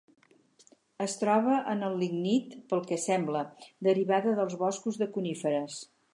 Es troba en el lignit, pel que sembla, derivada dels boscos de coníferes.